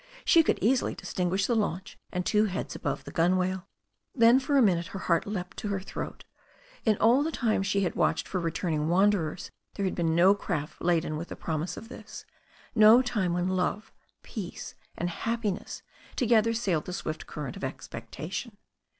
She could easily distinguish the launch and two heads above the gunwale. Then for a minute her heart leapt to her throat. In all the times she had watched for returning wanderers there had been no craft laden with the promise of this — ^no time when love, peace and happiness together sailed the swift current of expectation.